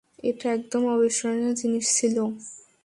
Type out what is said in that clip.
এটা একদম অবিস্মরণীয় জিনিস ছিল।